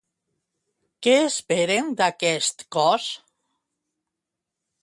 Què esperen d'aquest cos?